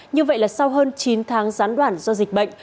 như vậy là sau hơn chín tháng gián đoạn do dịch bệnh